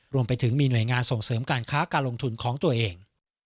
รวมไปถึงมีหน่วยงานส่งเสริมการค้าการลงทุนของตัวเอง